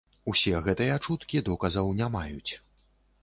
Усе гэтыя чуткі доказаў не маюць.